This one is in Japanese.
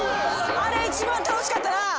あれ一番楽しかったな。